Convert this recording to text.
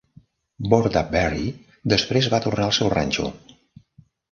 Bordaberry després va tornar al seu ranxo.